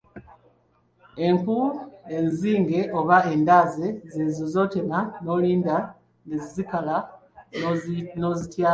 Enku enzige oba endaze z’ezo z’otema n’olinda ne zikala n’ozityaba.